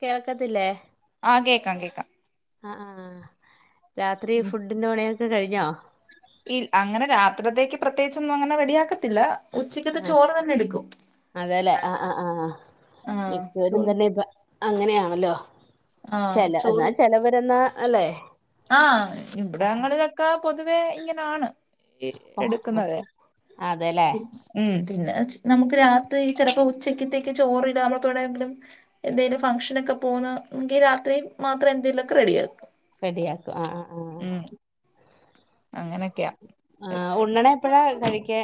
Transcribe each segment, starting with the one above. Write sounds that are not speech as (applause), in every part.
കേൾക്കത്തില്ലേ ആഹ് കേക്കാം കേക്കാം അഹ് ആഹ് രാത്രി ഉം ഫുഡ്ന്നെ പണിയൊക്കെ കഴിഞ്ഞോ ഇൽ അങ്ങനെ രാത്രിത്തേക്ക് പ്രത്യേകിചൊന്നും അങ്ങനെ റെഡിയാക്കത്തില്ല ഉച്ചക്കത്തെ ആഹ് ചോറ് തന്നെ എടുക്കും അതെല്ലേ ആഹ് ആഹ് ആഹ് ആഹ് മിക്കവരും ചോറ് തന്നെ ഇതാ അങ്ങനെയാണല്ലോ ആഹ് ചെല എന്നാ ചോറ് ചെലവരുന്നാ അല്ലേ കാ പൊതുവെ ഇങ്ങനാണ് എ എടുക്കുന്നത് അതെല്ലേ സ് ഉം പിന്നെച് നമുക്ക് രാത്രി ചെലപ്പോ ഉച്ചക്കത്തേക്ക് ചോറ്ല്ല നമ്മള്പ്പവ്ടെങ്കിലും എന്തെലും ഫംഗ്ഷനൊക്കെ പോകുന്ന എങ്കിൽ രാത്രി മാത്രം എന്തേലൊക്കെ റെഡി ആകും റെഡിആക്കും ആഹ് ആഹ് ആഹ് അങ്ങനൊക്കെയാ ആഹ് ഉണ്ണണ എപ്പഴാ കഴിക്കാ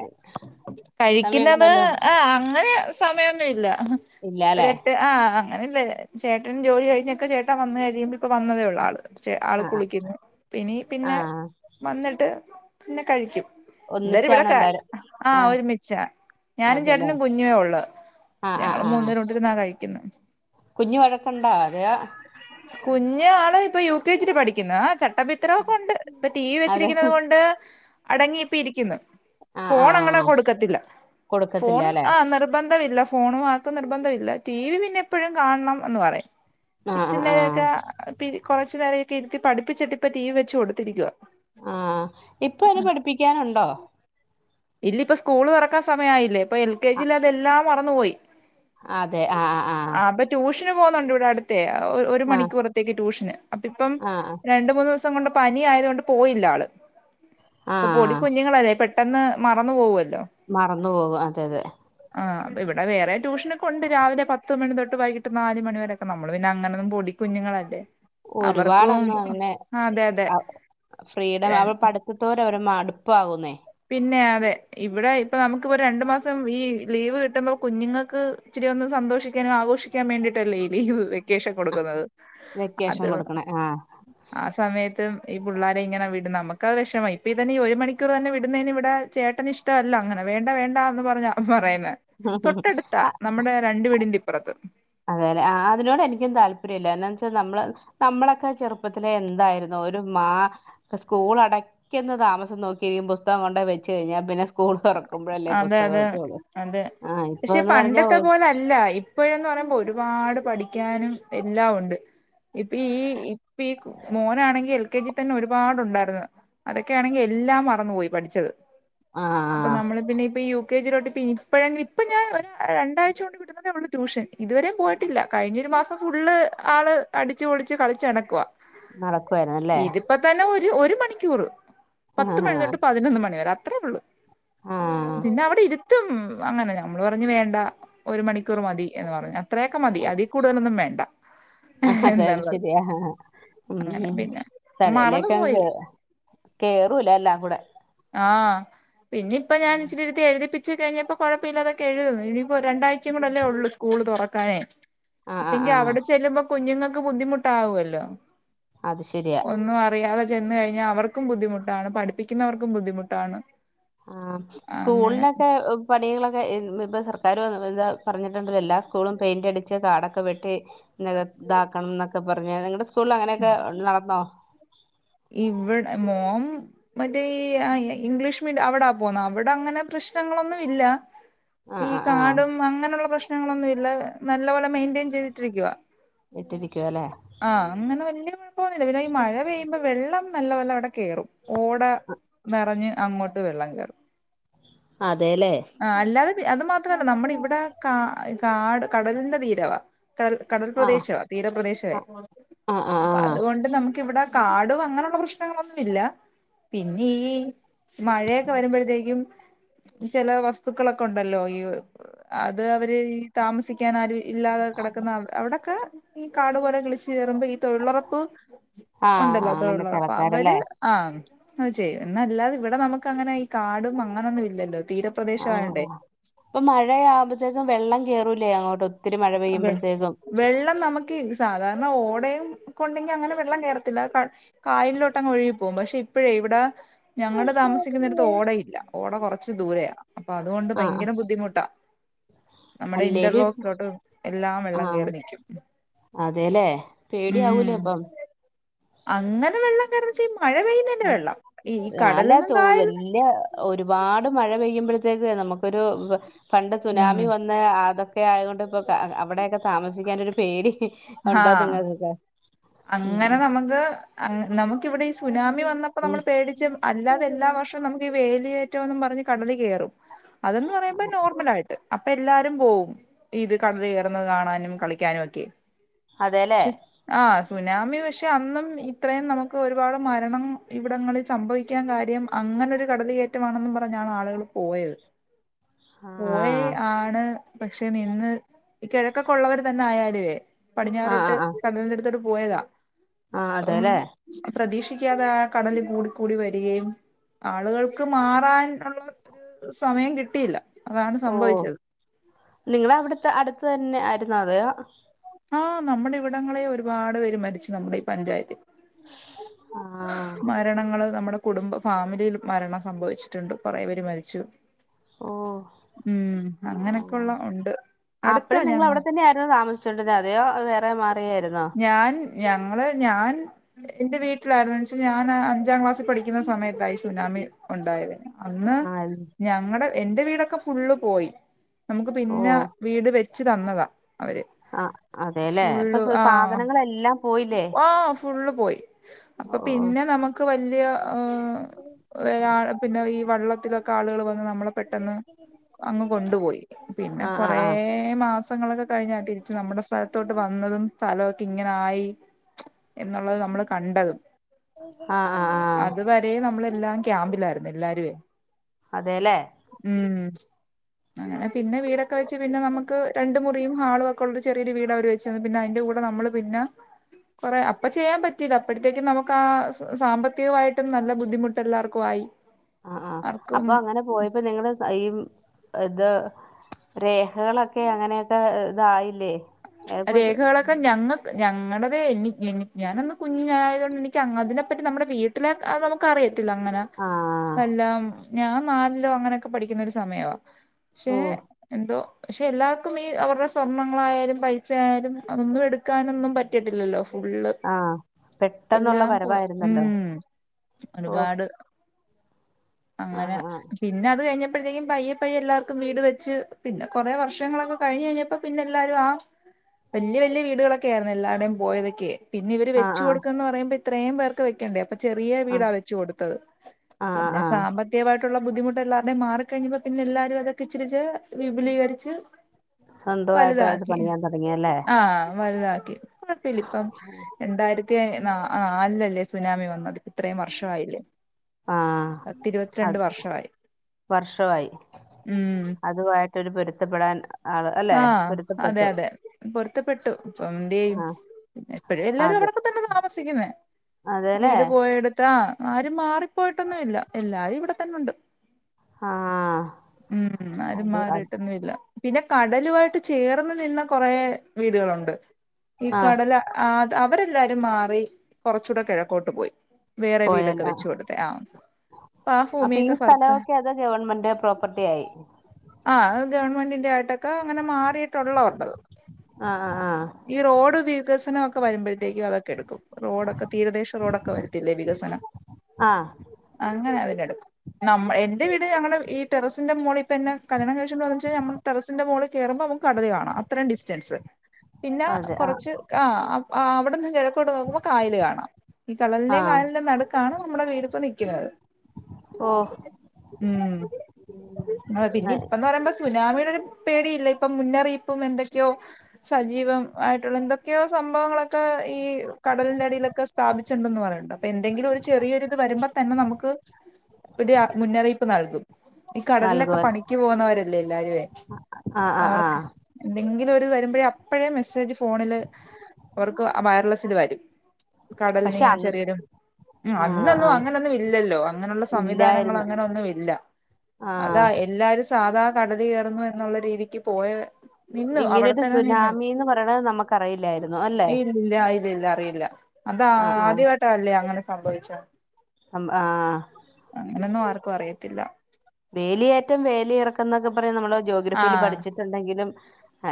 കഴിക്കുന്നത് ആഹ് അങ്ങനെ സമയൊന്നുല്ല ഒരു ഇല്ലാല്ലേ എട്ട് ആഹ് അങ്ങ അതന്നെ ചേട്ടൻ ജോലി കഴിഞ്ഞൊക്ക ചേട്ട വന്ന് കഴിയുമ്പോ ഇപ്പ വന്നതേ ഉള്ളൂ ആള് ചെ ആൾ ആഹ് കുളിക്കുന്നുപിനീ പിന്നെ ആഹ് വന്ന്ട്ട് പിന്നെ കഴിക്കും എന്താരും ഒന്നിച്ചാണോ ഇവിടെക്ക എല്ലാരും ആഹ് ഒരുമിച്ചാ ഞാനും അതെല്ലേ ചേട്ടനും കുഞ്ഞുവേ ഉള്ളു ആഹ് ആഹ് ആഹ് മൂന്ന രൊണ്ടിരുന്നാ കഴിക്കുന്നെ കുഞ്ഞ് വഴക്കുണ്ടാ അതേ കുഞ്ഞ് ആള് ഇപ്പൊ യു കെ ജില് പഠിക്കുന്ന ചട്ടമ്പിത്തരം ഒക്കെ ഉണ്ട് ഇപ്പൊ ടി വി അതെ ണ്ട് അടങ്ങിപ്പ ഇരിക്ക്ന്ന് ആഹ് ഫോൺ അങ്ങനെ ആഹ് കൊടുക്കത്തില്ല ഫോൺ കൊടുക്കത്തില്ല അല്ലെ ആഹ് നിർബന്ധവില്ല ഫോണു വാവക് നിർബന്ധവില്ല ടി വി പിന്നെ എപ്പഴും കാണണം എന്ന് പറയും ആഹ് ഇച്ച് ആഹ് ആഹ് നേരൊക്കെ പി കുറച്ചു നേരൊക്കെഇരുത്തി പഠപ്പിച്ചിട്ടിപ്പ ടീ വി വെച്ച് കൊടുത്തിരിക്കുവ ആഹ് ഇപ്പോ ഏന് പഠിപ്പിക്കാനുണ്ടോ ഇല്ല ഇപ്പൊ സ്കൂള് തുറക്കാൻ സമയായില്ലേ ഇപ്പൊ എൽ കെ ജിയിൽ അതെല്ലാം മറന്നുപോയി അതെ ആഹ് ആഹ് ആഹ് ആ അപ്പൊ ട്യൂഷന് പോന്നുണ്ട് ഇവിടെ അടുത്തെ ഒരു ആഹ് മണിക്കൂറത്തേക്ക് ട്യൂഷന് അപ്പ ഇപ്പം ആഹ് രണ്ട് മൂന്ന് ദിവസം കൊണ്ട് പനി ആയത് കൊണ്ട് പോയില്ല ആള് ഇപ്പ പൊടി ആഹ് കുഞ്ഞുങ്ങളല്ലേ പെട്ടെന്ന് മറന്നു പോകല്ലോ മറന്ന് പോകും അതെ അതെ ആഹ് അപ്പ ഇവിടെ വേറെ ട്യൂഷനോക്കെ ഉണ്ട് രാവിലെ പത്തു മണി തൊട്ട് വൈകി നാല് മണി വരെ ക്കെ നമ്മള് പിന്നെ അങ്ങനൊന്നും പൊടി കുഞ്ഞുങ്ങളല്ലേ അവർക്കും ഒരുപാടന്നും അങ്ങനെ അതെ അതെ ഫ്രീഡം അവൾ പ കുത്തോര ഒരു മടുപ്പാകുന്നേ പിന്നെ അതെ ഇവിടെ ഇപ്പ നമുക്ക് പ്പ രണ്ടു മാസം ഈ ലീവ് കിട്ടുമ്പോ കുഞ്ഞുങ്ങൾക്ക് ഇച്ചിരി ഒന്നും സന്തോഷിക്കാനും ആഘോഷിക്കാൻ വേണ്ടിട്ടല്ലേ ഈ ലീവ് വെക്കേഷൻ കൊടുക്കുന്നത് വെക്കേഷൻ കൊടുക്കണെ ആഹ് ആഹ് സമയത്തും ഈ പുള്ളാരെ ഇങ്ങനെ വിട്ന നമുക്കത് വഷമാ ഇപ്പ ഇതന്നെ ഈ ഒരു മണിക്കൂർ തന്നെ വിടുന്നതിന് ഇവിടെ ചേട്ടന് ഇഷ്ടല്ല അങ്ങനെ വേണ്ട വേണ്ടാ എന്ന് പറഞ്ഞ അവൻ പറയുന്നേ തൊട്ടടുത്താ നമ്മുടെ രണ്ട് വീടിന്റെ ഇപ്പുറത്ത് അതെ ലെ അതിനോട് എനിക്കും താല്പര്യല്ല എന്താച്ചാൽ നമ്മള് നമ്മളൊക്കെ ചെറുപ്പത്തില് എന്തായിരുന്നു ഒരു മാ സ്കൂൾ അടക്കിന്ന താമസം നോക്കിയിരിക്കും പുസ്തകം കൊണ്ട് വെച്ച് കഴിഞ്ഞാ പിന്ന സ് സ്കൂൾ തുറക്കുമ്പോഴല്ലേ അതെ അതെ പുസ്തകട്കോള്ളൂ ആഹ് ഇപ്പന്ന് പറഞ്ഞ ഇല്ല ഇപ്പോഴന്ന് പറയുമ്പോ ഒരുപാട് പഠിക്കാനും എല്ലാം ഉണ്ട് ഇപ്പ ഈ ഇപ്പ ഈ മോനാണെങ്കി എൽ കെ ജി തന്നെ ഒരുപാടുണ്ടായിരുന് അതൊക്കെയാണെങ്കി എല്ലാം മറന്നു പോയി പഠിച്ചത് ആഹ് ഇപ്പ നമ്മള് പിന്നെ ഇപ്പ യു കെ ജിലോട്ട് ഇപ്പഴ ഇപ്പൊ ഞാൻ രണ്ടാഴ്ചച്ച കൊണ്ട് കിട്ടുന്നത് ട്യൂഷൻ ഇതുവരെ പോയിട്ടില്ല കഴിഞ്ഞൊരു മാസം ഫുള്ള് ആള് അടിച്ചു പൊളിച്ച് കളിച്ച് എണക്കുവാ നടക്കുവായിരുന്നു ല്ലേ ഇപ്പ തന്നെ ഒരു ഒരു മണിക്കൂറ് പത്ത് ആഹ് മണി തൊട്ട് പതിനൊന്ന് മണിവരെ അത്രയേ ഉള്ളൂ ആഹ് പിന്നെ അവിടെ ഇരുത്തും അങ്ങനെ നമ്മള് പറഞ് വേണ്ട ഒരു മണിക്കൂർ മതി എന്ന് പറഞ്ഞ ഇത്രയൊക്കെ മതി, അതീ കൂടുതലൊന്നും വേണ്ട. അതെ, അതെ എന്നുള്ളത് ശെരിയാ, ആഹ്, ആഹ് ഉം അങ്ങനെ ഉം പിന്നെ മറന്നു തലയിലേക്കങ്ങ് പോയി കേറാ കേറൂല എല്ലാം കൂടെ. ആഹ്, പിന്നെ ഇപ്പം ഞാൻ ഇച്ചിരി ഇരുത്തി എഴുതിപ്പിച്ച് കഴിഞ്ഞപ്പോ കൊഴപ്പ ഇല്ലാതെക്കെ എഴുതുന്നു. ഇനിയിപ്പോ രണ്ടാഴ്ചയും കൂടെല്ലേ ഒള്ളൂ സ്കൂള് തുറക്കാനേ ആഹ് ആഹ് ഇല്ലെങ്കി ആഹ് അവടെ ചെല്ലുമ്പോ കുഞ്ഞുങ്ങക്ക് ബുദ്ധിമുട്ടാവൊല്ലോ. അത് ശരിയാ ഒന്നും അറിയാതെ ചെന്ന് കഴിഞ്ഞാ അവർക്കും ബുദ്ധിമുട്ടാണ് പഠിപ്പിയ്ക്കുന്നവർക്കും ബുദ്ധിമുട്ടാണ്. ആഹ്, അങ്ങനെ സ്കൂൾനൊക്കെ ഉം പണികളൊക്കെ ഇ ഇപ്പൊ സർക്കാര് താ പറഞ്ഞിട്ടുണ്ടല്ലോ എല്ലാ സ്കൂളും പെയിൻ്റടിച്ച് കാടൊക്കെ വെട്ടി ഇതാക്കണം ന്നൊക്കെ പറഞ് നിങ്ങൾടെ സ്കൂളിൽ അങ്ങനെയൊക്കെ നടന്നോ ഇവിടെ മോം മറ്റേ ഈ ആ ഇ ഇംഗ്ലീഷ് മീഡി അവടാ പോന്ന അവടങ്ങനെ പ്രശ്നങ്ങളൊന്നും ഇല്ലാ ആഹ് ഈ ആഹ് ആഹ് കാടും അങ്ങനെള്ള പ്രശ്നങ്ങളൊന്നുഇല്ല നല്ല പോലെ മെയിൻ്റെയിൻ ചെയ്തിട്ടിരിക്കുവാ. ഇട്ടിരിക്കുവ അല്ലേ ആഹ്, അങ്ങനെ വല്യയ കുഴപ്പൊന്നുല്ല പിന്നെ ഈ മഴ പെയ് മ്പം വെള്ളം നല്ല പോലെ അവടെ കേറും. ഓട നെറഞ്ഞ് അങ്ങോട്ട് വെള്ളം കേറും. അതേ ലെ ആഹ്, അല്ലാതെ പി അത് മാത്രല്ല നമ്മടെ ഇവിടെ കാ കാട് കടലിന്റെ തീരവാ കടൽ ആഹ് കടൽപ്രദേശോ തീരപ്രദേശെ ആഹ് ആഹ് അപ്പ ആഹ് അതുകൊണ്ട് നമുക്ക് ഇവിട കാടും അങ്ങനൊള്ള പ്രശ്നങ്ങളൊന്നുമില്ല. പിന്നെ ഈ മഴയൊക്കെ വരുമ്പോഴത്തേയ്ക്കും ചെല വസ്തുക്കളൊക്ക ഉണ്ടല്ലോ ഈ അത് അവര് ഈ താമസിക്ക്യാനാരും ഇല്ലാതെ കെടക്കുന്ന അവടൊക്കെ ഈ കാടു പോലെ കിളിച്ചു കയറുമ്പോ ഈ തൊഴിലൊറപ്പ് ആഹ് ഉണ്ടല്ലോ അങ്ങനത്തെ തൊഴിലൊറപ്പ് ആൾക്കാരല്ലേ അവര് ആഹ്, അത് ചെയ്യും എന്നല്ലാതെ ഇവടെ നമുക്കങ്ങനെ ഈ കാടും അങ്ങനൊന്നും ഇല്ല ആഹ്, ആഹ് പ്പം മഴയാവുമ്പത്തേക്കും വെള്ളം കേറൂലേ അങ്ങോട്ട് ഒ ത്തിരി മഴ വെ പെയ്യുമ്പഴത്തേക്കും വെള്ളം നമക്ക് സാധാരണ ഓടയും കൊണ്ടെങ്കി അങ്ങനെ വെള്ളം കേറത്തില്ല. (unintelligible) കായലിലോട്ടങ്ങൊഴുകി പോവും പക്ഷെ ഇപ്പഴേ ഇവടാ ഞങ്ങള് താമസിക്കുന്നരത്ത് ഓടയില്ല ഓട കൊറച്ച് ദൂരെയാ, അപ്പൊ അതുകൊണ്ട് ആഹ് ഭയങ്കര ബുദ്ധിമുട്ടാ നമ്മടെ അല്ലേലും ഇപ് ഇന്റർലോക്കിലോട്ട് എല്ലാം വെള്ളം ആഹ്, കേറി നിക്കും അതേലെ പേടിയാവൂലേ ഉം അപ്പം അങ്ങനെ വെള്ളം കേരണച്ചാ ഈ മഴ പെയ്യ ഉം, നല്ല തോ വെല്ല്യ ഒരുപാട് മഴ പെയ്യുമ്പഴത്തേക്ക് നമുക്കൊരു പ പണ്ട് സുനാമി ഉം വന്ന ആത (unintelligible) ആയതോണ്ട് പ്പോ ക അവ്ടോക്കെ താമസിയ്ക്കാനൊരു പേടി ഉണ്ടോ നിങ്ങക്കൊക്കെ. അങ്ങന നമുക്ക് അങ് നമു ക്കിവിടെ ഈ സുനാമി വന്നപ്പോ ഉം നമ്മള് പേടിച്ചും അല്ലാതെ എല്ലാ വർഷം നമുക്ക് വേലിയേറ്റോംന്നും പറഞ്ഞ് കടല് കേറും, അതന്ന് പറയുമ്പോ നോർമലായിട്ട് അപ്പൊ എല്ലാരും പോവും ഇത് കടല് കേറുന്നത് കാണാനും കളിയ്ക്കാനുഒക്കെയി അതേല്ലേ പക്ഷെ ആഹ് സുനാമി പക്ഷെ അന്നും ഇത്രയും നമുക്ക് ഒരുപാട് മരണം ഇവിടങ്ങളിൽ സംഭവിക്ക്യാൻ കാര്യം അങ്ങനൊരു കടലുകേറ്റമാണെന്നും പറഞ്ഞാണ് ആളുകള് പോയത് പോയെ ആഹ് ആണ് പക്ഷെ നിന്ന് കിഴക്കൊക്കെ ഒള്ളവര് തന്നെ ആയാല് ആഹ് പടിഞ്ഞാറോട്ട് ആഹ് ആഹ് കടലിന്റടുത്തോട്ട് പോയതാ ആഹ് അപ്പം അതേല്ലേ പ്രതീക്ഷിയ്ക്കാതെ ആ കടല് കൂടിക്കൂടി വരികയും ആളുകൾക്ക് മാറാൻ ഉള്ള ഒരു സമയം കിട്ടിയില്ല അതാണ് സംഭവിച്ചത് നിങ്ങളവിടുത്തെ അടുത്ത് തന്നെ ആയിരുന്നോ അതെയോ ആഹ് നമ്മുടെ ഇവിടങ്ങളിൽ ഒരുപാട് പേര് മരിച്ചു നമ്മുടെ ഈ പഞ്ചായത്തിൽ (unintelligible) ആഹ് മരണങ്ങള് നമ്മുടെ കുടുംബ ഫാമിലിയിലും മരണം സംഭവിച്ചിട്ടുണ്ട് കുറെ പേര് മരിച്ചു ഓ ഉം അങ്ങനൊക്കെയൊള്ള ഉണ്ട് അടുത്താ ആപ്പഴും ഞങ്ങ നിങ്ങളവിടെ തന്നെയായിരുന്നോ താമസിച്ചോണ്ടിരുന്നേ അതയോ വേറെ മാറിയാരുന്നോ ഞാൻ ഞങ്ങള് ഞാൻ എന്റെ വീട്ടിലായിരുന്നു എന്ന് വെച്ചാ ഞാന് അഞ്ചാം ക്ലാസിൽ പഠിക്കുന്ന സമയത്താ ഈ സുനാമി ഉണ്ടായത് അന്ന് ആഹ് ഞങ്ങടെ എന്റെ വീടൊക്കെ ഫുള്ള് പോയി നമ്മക്ക് പിന്നെ ഓ വീട് വെച്ച് തന്നതാ അവര് ആഹ് അതെല്ലേ ഫുള്ള് അപ്പൊ ആഹ് സാധനങ്ങളെല്ലാം പോയില്ലേ ആഹ് ഫുള്ള് പോയി ഓ അപ്പൊ ഓ പിന്നെ നമുക്ക് വല്യ ആഹ് വേ പിന്നെ ഈ വള്ളത്തിലൊക്കെ ആളുകള് വന്ന് നമ്മള് പെട്ടെന്ന് അങ്ങ് കൊണ്ട് പോയി പിന്നെ ആ ആ കൊറേ മാസങ്ങളൊക്കെ കഴിഞ്ഞാ തിരിച്ച് നമ്മുടെ സ്ഥലത്തോട്ട് വന്നതും സ്ഥലമൊക്കെ ഇങ്ങനെയായി എന്നുള്ളത് നമ്മള് കണ്ടതും ആ ആ ആ ആ അത് വരെയും നമ്മളെല്ലാം ക്യാമ്പിലാരുന്നു എല്ലാരുവേ അതേല്ലേ ഉം അങ്ങനെ പിന്നെ വീടൊക്കെ വെച്ച് പിന്നെ നമുക്ക് രണ്ട് മുറിയും ഹാളുവൊക്കെയുള്ള ഒരു ചെറിയൊരു വീട് അവര് വെച്ച് തന്നു പിന്നെ അതിന്റെ കൂടെ നമ്മള് പിന്നെ കുറേ അപ്പൊ ചെയ്യാൻ പറ്റിയില്ല അപ്പോഴത്തേക്കും നമുക്കാ സാമ്പത്തികമായിട്ടും നല്ല ബുദ്ധിമു ട്ട് എല്ലാവർക്കും ആയി ആഹ് ആഹ് അപ്പൊ ആർക്കും അങ്ങനെ പോയപ്പോ നിങ്ങള് ഈ ഇത് രേഖകളൊക്കെ അങ്ങനെയൊക്കെ ഇതായില്ലേ ആഹ് ഏപ്പൊ സ- രേഖകളൊ ക്കെ ഞങ്ങ ഞങ്ങടേത് എനി എനി ഞാനന്ന് കുഞ്ഞായതുകൊണ്ട് എനിക്ക് അതിനെപ്പറ്റി നമ്മുടെ വീ ട്ടിലെ അത് നമുക്ക് അറിയത്തില്ല അങ്ങനെ ആ എല്ലാം ഞാൻ നാലിലോ അങ്ങനെയൊക്കെ പഠിക്കുന്ന ഒരു സമയവാ പക്ഷേ ഓ എന്തോ പക്ഷെ എല്ലാവർക്കും ഈ അവരുടെ സ്വർണങ്ങളായാലും പൈ സ ആയാലും അതൊന്നും എടുക്കാനൊന്നും പറ്റീട്ടില്ലല്ലോ ഫുള്ള് ആ പെട്ടെന്നുള്ള എല്ലാം പോയി വരവായിരുന്നല്ലോ ഉം ഓ ഒരുപാട് ആ അങ്ങനെ ആ പിന്നെ അത് കഴിഞ്ഞ പ്പോഴത്തേക്കും പയ്യെ പയ്യെ എല്ലാവർക്കും വീട് വെച്ച് പിന്നെ കുറേ വർഷങ്ങളൊക്കെ കഴിഞ്ഞ് കഴിഞ്ഞപ്പോ പിന്നെ എല്ലാരും ആ വല്ല്യ വല്ല്യ വീടുകളൊക്കെ ആയിരുന്നു എല്ലാരുടെയും പോയതൊക്കെയേ പിന്നെ ഇവര് ആ ആ വെച്ച് ആ കൊടുത്തെന്ന് പറയുമ്പോ ഇത്രയും പേർക്ക് വെക്കണ്ടേ അപ്പൊ ചെറിയ വീടാ വെച്ചു കൊടുത്തത് ആ ആ പിന്നെ ആ സാമ്പ ത്തികവായിട്ടുള്ള ബുദ്ധിമുട്ട് എല്ലാരുടെയും മാറിക്കഴിഞ്ഞപ്പോൾ പിന്നെ എല്ലാരും അതൊക്കെ ഇച്ചിരിച്ചേ വിപുലീകരിച്ച് സ്വന്തവായിട്ട് ഇത് വലുതാക്കി പണിയാൻ തുടങ്ങിയല്ലേ ആഹ് വലുതാക്കി ഇപ്പോ കുഴപ്പവില്ല ഇപ്പം ഓ രണ്ടായിരത്തി ന നാലിലല്ലേ സുനാമി വന്നത് ഇത്രയും വർഷമായില്ലേ ആ പത്തിരുപത്തിരണ്ട് വർഷവായി വർഷവായി ഉം ട്ടൊരു പൊരുത്തപ്പെടാൻ ആള് അല്ലെ ആഹ് അതെ പൊരുത്തപ്പെട്ടു അതെ പൊരുത്തപ്പെട്ടു പ്പം ന്തേ ആ എപ്പൊഴും എല്ലാരും അതെ അവടൊക്കെ തന്നെ താമസിക്കുന്നെ അതേല്ലേ വീട് പോയടു ത്താ ആരും മാറിപ്പോയിട്ടൊന്നും ഇല്ല എല്ലാരും ഇവിടെ തന്നുണ്ട് ആ ഉം ആരും മാറിയിട്ടൊന്നുംല്ല പിന്നെ കടലുവായിട്ട് ചേർന്ന് നിന്ന കൊറേ വീടുകളൊണ്ട് ഈ ആഹ് കടല ആ അത് അവരെല്ലാരും മാറി കുറച്ചൂടെ കെഴക്കോട്ട് പോയി വേറെ വീടൊക്കെ പോയല്ലോ വെച്ചു ആഹ് കൊടുത്ത ആ പ്പൊ ആ അപ്പൊ ഈ ഭൂമിയൊക്കെ സർക്കാർ സ്ഥലമൊക്കെ അത് ഗവൺമെന്റ് പ്രോപ്പർട്ടി ആയി ആ അത് ഗവൺമെന്റിന്റെ ആയിട്ടൊക്കെ അങ്ങനെ മാറിയിട്ടുള്ളതൊണ്ട് ആ ആ ആ ഈ റോഡ് വികസന ഒക്കെ വരുമ്പോഴത്തേക്കും അതൊക്കെ എടുക്കും റോഡൊക്കെ തീരദേശ റോഡൊക്കെ വരത്തില്ലേ വികസനം ആഹ് ആഹ് അങ്ങനെ അവരെടുക്കും നമ്മ എന്റെ വീട് ഞങ്ങള് ഈ ടെറസിൻ്റെ മോളി തന്നെ കല്യാണം കഴിച്ചോണ്ട് വന്നെച്ചു ഞമ്മൾ ടെറസിൻ്റെ മോളി കേറൂമ്പോ നമുക്ക് കടല് കാണാം അത്രയും ഡിറ്റൻസ് പിന്നെ അതെ ആഹ് കൊറച്ച് ആ അവിടെന്ന് കിഴക്കോട്ട് നോക്കുമ്പോ കായല് കാണാം ഈ കടലിന്റേം ആഹ് കായലിന്റേം നടുക്കാണ് നമ്മുടെ വീട്പ്പൊ നിക്കുന്നത് ഓ അല്ല പിന്നിപ്പം ന്ന് പറയുമ്പോ സുനാമിയുടെ ഒരു പേടിയില്ല ഇപ്പൊ മുന്നറിയിപ്പും എന്തൊക്കെയോ സജീവം ആയിട്ടുള്ള എന്തൊക്കെയോ സംഭവങ്ങളൊക്കെ ഈ കടലിന്റെ അടിയിലൊക്കെസ് സ്ഥാപിച്ചണ്ടന്ന് പറയുന്നുണ്ട് അപ്പൊ എന്തെങ്കിലും ഒരു ചെറിയൊരിത് വരുമ്പോ തന്നെ നമുക്ക് ഇവിടെ മുന്നറിയിപ്പ് നൽകും ഈ കടലിലൊക്കെ നൽകുവൻ പണിക്ക് പോകുന്നവരല്ലേ എല്ലാരുവേ ആഹ് ആഹ് അപ്പവർക്ക് ആഹ് എന്തെങ്കിലു ഒരു വരുമ്പോഴേ അപ്പഴേ മെസ്സേജ് ഫോണില് അവർക്ക് വയർലെസ്സില് വരും പക്ഷെ കടലിന്നിങ്ങനെ അന്ന് ചെറിയൊരു ഉ ആഹ് അന്നൊന്നും ആഹ് അങ്ങനെയൊന്നും ഇല്ലല്ലോ അങ്ങനെയുള്ള സംവിധാനങ്ങൾ ഇല്ലായിരുന്നു അങ്ങനെ ഒന്നും ഇല്ല അതാ ആഹ് എല്ലാരും സാധാ കടല കേറുന്നു എന്നുള്ള രീതിക്ക് പോയ നിന്നു അവിടെ ഇങ്ങനൊരു തന്നെ നിന്നു സുനാമീന്ന് പറയണത് നമുക്കറിയില്ലായിരുന്നു അല്ലെ ഇല്ല ഇതീല് അറിയില്ല അതാ ആഹ് ആദ്യമായിട്ട അല്ലേ അങ്ങനെ സംഭവിച്ച അം ആ അങ്ങനൊന്നും ആർക്കും അറിയത്തില്ല വേലിയേറ്റം വേലിയിറ ക്കം ന്നൊക്കെ പറയാ നമ്മള് ജോഗ്രഫിയിൽ ആഹ് പഠിച്ചിട്ടുണ്ടെങ്കിലും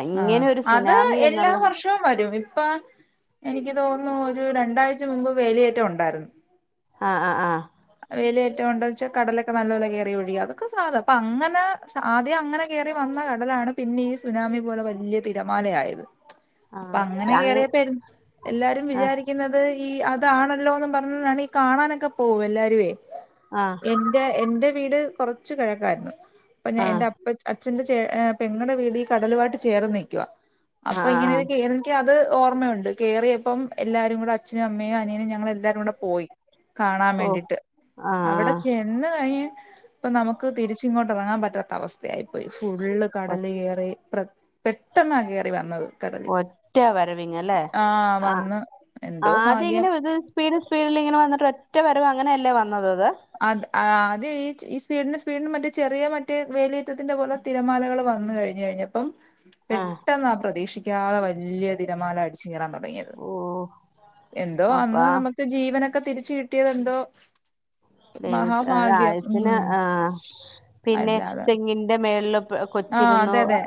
അങ്ങനെ ഒരു സുനാമി എന്നുള്ള ഇപ്പം വരും ഇപ്പ എനിക്ക് തോന്നുന്നു ഒരു രണ്ടാഴ്ച മുമ്പ് വേലിയേറ്റം ഒണ്ടാരുന്നു ആ ആ ആ വെലിയേറ്റം ഒണ്ടോയ്ച്ച കടലൊക്കെ നല്ല പോലെ കേറി ഒഴുകി അതൊക്കെ സാദാ അപ്പങ്ങനെ ആദ്യം അങ്ങനെ കേറി വന്ന കടലാണ് പിന്നെ ഈ സുനാമി പോലെ വല്ല്യ തിരമാലയത് പ്പൊ ആഹ് അങ്ങനെ അങ് കേറിയപ്പെരുന്നു എല്ലാരും ആഹ് വിചാരിക്കുന്നത് ഈ അതാണല്ലോ ന്നും പറഞ്ഞാണ് ഈ കാണാനൊക്കെ പോകൂ എല്ലാ രുവേ ആ ഇന്റെ എന്റെ വീട് കൊറച്ച് കെഴക്കായിരുന്നു അപ്പൊ ഞാൻ ആഹ് എന്റെ അപ്പൊ അച്ഛന്റെ ചേ എ പെങ്ങടെ വീട് ഈ കടലുവായിട്ട് ചേർന്ന് നിക്കുവ ആഹ് അപ്പൊ ഇങ്ങനൊരു ആഹ് കേറൽ ക്ക് അത് ഓർമ്മയുണ്ട് കേയറിയപ്പം എല്ലാരും കൂടെ അച്ഛനും അമ്മയും അനിയനും ഞങ്ങളെല്ലാരും കൂടെ പോയി കാണാൻ ഓ വേണ്ടിട്ട് അവിടെ ആഹ് ചെന്ന് കഴിഞ്ഞ് ഇപ്പൊ നമുക്ക് തിരിച്ച് ഇങ്ങോട്ട് ഇറങ്ങാൻ പറ്റാത്ത അവസ്ഥയായി. ഫുള്ള് ആഹ് കടല് ഏറി പ്രെ പെട്ടെന്ന കേറി വന്നത് കടല് ഒറ്റ ആഹ് വന്ന്. എന്തോ ആദ്യ ഭാഗ്യം ഇങ്ങനെ ഇത് സ്പീഡിൽ സ്പീഡിലിങ്ങനെ വന്നിട്ട് ഒറ്റ വരവ് അങ്ങനല്ലേ വന്നത്. അത് അത് ആദ്യം ഈ, ഈ സ്പീഡിന് സ്പീഡിനും മറ്റേ ചെറിയ മറ്റേ വേലിയേറ്റത്തിന്റെ പോലെ തിരമാലകൾ വന്നു കഴിഞ്ഞു കഴിഞ്ഞപ്പം. ആഹ് പെട്ടെന്നാ പ്രതീക്ഷിക്കാത വലിയ തിരമാല അടിച്ചു കേറാൻ തുടങ്ങിയത്. ഓഹ് എന്തോ അന്ന് നമുക്ക് ജീവനൊക്കെ തിരിച്ച് കിട്ടിയത് എന്തോ ദൈവ മഹാഭാഗ്യം ഉം ആയത്തിന് അല്ലാതെ നിൻ്റെ മേള്ല് കൊ ആഹ് അതെ, അതെ,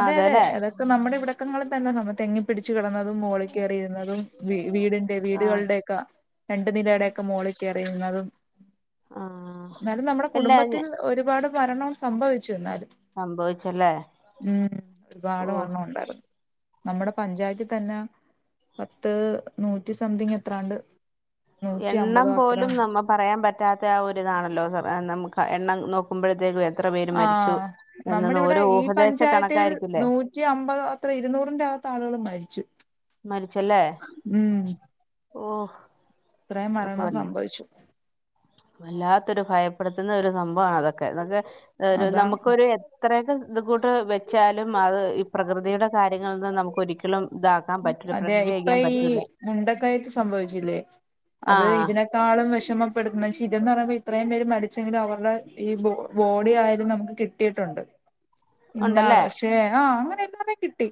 അതെ, അതെ അതൊക്കെ നമ്മുടെ ഇവിടക്കങ്ങളി തന്നെ നമ്മുടെ തെങ്ങി പിടിച്ച് കിടന്നതും മുകളി കേറിയിരുന്നതും വീടിന്റെ ആഹ് വീടുകളുടെ ക്ക രണ്ടു നിലടെക്കെ മോളി കേറിയിരുന്നതും. ആഹ് എന്നാലും നമ്മുടെ എല്ലാം ഞ കുടുംബത്തിൽ ഒരുപാട് മരണം സംഭവിച്ചു. എന്നാലും സംഭവിച്ചല്ലേ ഉം ഓ ഒരുപാട് മരണം ഒണ്ടാരുന്നു. നമ്മുടെ പഞ്ചായത്തി തന്ന പത്ത് നൂറ്റി സംതിങ് എത്രാണ്ട്. നൂറ്റി എണ്ണം അമ്പതോ അത്ര പോലും നമ്മ പറയാൻ പ പറ്റാത്ത ആ ഒരി ഇതാണല്ലോ നമുക്ക് എണ്ണം നോക്കുമ്പോഴത്തേക്ക് എത്ര പേര് മരിച്ചു ആഹ് നമ്മുടെ എന്നൊന്ന് ഓരോ ഊഹദേശ കണക്കായിരിക്കുംല്ലേ. റ്റി അമ്പത് അത്ര ഇരുന്നൂറിന്റെകത്ത് ആളുകൾ മരിച്ചു. മരിച്ചല്ലേ ഉം ഓഹ്. ഇത്രയും മരണം സംഭവിച്ചു. വല്ലാത്തൊരു ഭയപ്പെടുത്തുന്ന ഒരു സംഭവാ അതൊക്കെ, അതൊക്കെ അതാ നമുക്കൊരു ഇത്രയൊക്കെ ഇ കൂട്ട് വെച്ചാലും അത് ഈ പ്രകൃതിയുടെ കാര്യങ്ങളിനിന്ന് നമുക്കൊരി അതെ ഇപ്പ ഈ പറ്റൂല മുണ്ടക്കായിത്ത് സംഭവിച്ചില്ലേ. ആ അത് ഇതിനേ ഇട്ടാളും വിഷമപ്പെടുത്തുന്നത് ശിതംന്ന് പറയുമ്പോ ഇത്രയും പേര് മരിച്ചെങ്കും അവരുടെ ഈ ബോഡി ആയാലും നമുക്ക് കിട്ട കിട്ടിട്ടുണ്ട് ഇന്നാള് ഉണ്ടല്ലേ പക്ഷേ ആഹ് അങ്ങനെ എല്ല കിട്ടി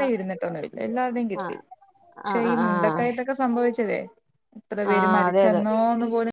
ആ ഇരുന്ന എല്ലാരുടെയും ആ കിട്ടി. ആ പക്ഷെ ആ ഈ ആ മുണ്ടക്കയത്തൊക്കെ സംഭവിച്ചതേ എത്ര ആ പേര് അതെ അതെ മരിച്ചെന്നോന്ന് പോലും.